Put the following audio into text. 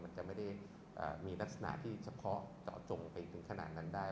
มันจะไม่ได้มีลักษณะที่เฉพาะเจาะจงไปถึงขนาดนั้นได้